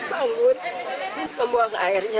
petugas menangkap rakyat di rumah